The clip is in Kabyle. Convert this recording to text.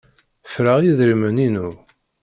Ffreɣ idrimen-inu.